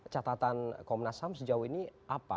catatan komnas ham sejauh ini apa